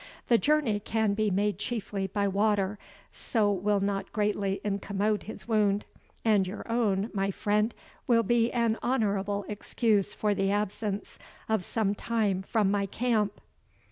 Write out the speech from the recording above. The journey can be made chiefly by water, so will not greatly incommode his wound and your own, my friend, will be an honourable excuse for the absence of some time from my camp."